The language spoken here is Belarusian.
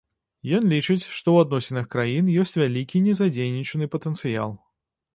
Ён лічыць, што ў адносінах краін ёсць вялікі незадзейнічаны патэнцыял.